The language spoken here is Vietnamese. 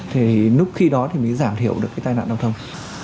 thì lúc khi đó thì mới giảm thiểu được cái tai nạn giao thông